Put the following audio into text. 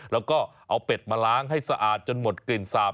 แล้วก็เอาเป็ดมาล้างให้สะอาดจนหมดกลิ่นสาบ